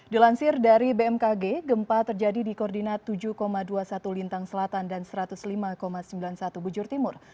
dilansir dari bmkg gempa terjadi di koordinat tujuh dua puluh satu lintang selatan dan satu ratus lima sembilan puluh satu bujur timur